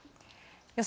予想